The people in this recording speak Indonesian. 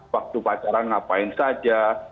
waktu pacaran ngapain saja